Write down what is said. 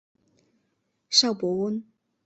邵伯温。